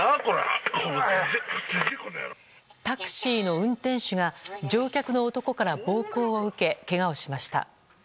タクシーの運転手が乗客の男から暴行を受けけがをしました。